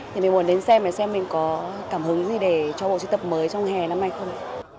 thì mình muốn đến xem xem mình có cảm hứng gì để cho bộ truy tập mới trong hè năm nay không